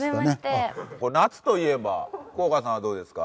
夏といえば福岡さんはどうですか？